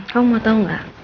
kamu mau tau gak